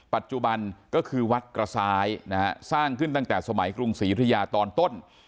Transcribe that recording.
ปัจจุบันก็คือวัดกระซ้ายนะฮะสร้างขึ้นตั้งแต่สมัยกรุงศรียุธยาตอนต้น